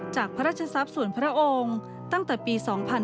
จากพระราชทศัพท์สวนพระองค์ตั้งแต่ปี๒๕๔๗